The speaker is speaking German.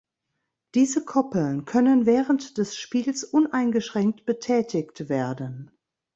Diese Koppeln können während des Spiels uneingeschränkt betätigt werden.